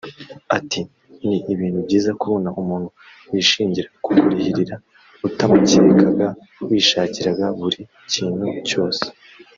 Ati” Ni ibintu byiza kubona umuntu wishingira kukurihirira utamukekaga wishakiraga buri kintu cyose